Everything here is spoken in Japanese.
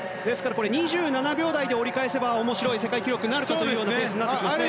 ２７秒台で折り返せば面白い世界記録になってくるかというペースになってきますね。